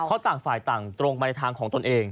เพราะต่างฝ่ายต่างตรงไปในทางของตนเอง